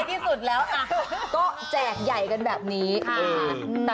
ที่สุดแล้วก็แจกใหญ่กันแบบนี้ค่ะ